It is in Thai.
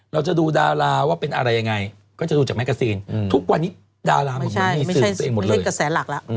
เราจะดูดาราว่าเป็นอะไรยังไงก็จะดูจากแมกกระซีนทุกวันนี้ดารามันมีสื่อตัวเองหมดเลย